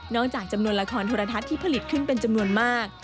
จากจำนวนละครโทรทัศน์ที่ผลิตขึ้นเป็นจำนวนมาก